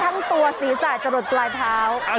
เนื้อทั้งตัวศีรษะจรดปลายเท้า